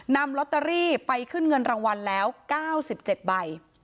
นำล็อตเตอรี่ไปขึ้นเงินรางวัลแล้วเก้าสิบเจ็ดใบ